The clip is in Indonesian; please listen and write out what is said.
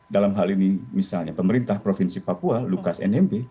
dalam hal ini misalnya pemerintah provinsi papua lukas nmb